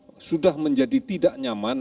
juga kemudian sudah menjadi tidak nyaman